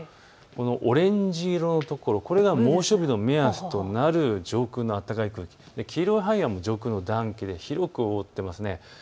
オレンジ色のところ、これが猛暑日の目安となる上空の暖かい空気、黄色の範囲は上空の暖気で広く覆っています。